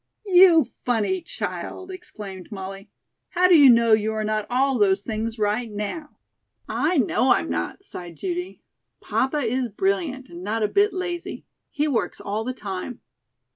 "You funny child," exclaimed Molly; "how do you know you are not all those things right now?" "I know I'm not," sighed Judy. "Papa is brilliant, and not a bit lazy. He works all the time."